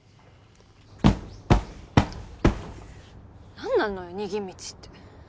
何なのよ逃げ道って。